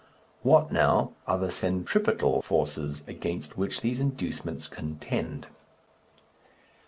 What now are the centripetal forces against which these inducements contend?